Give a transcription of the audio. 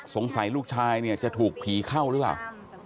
สงสัยลูกชายเนี่ยจะถูกผีเข้าหรือเปล่า